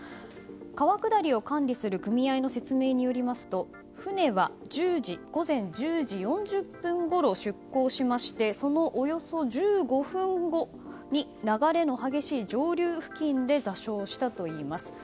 川下りを管理する組合の説明によりますと船は午前１０時４０分ごろ出航しましてそのおよそ１５分後に流れの激しい上流付近で座礁したといいます。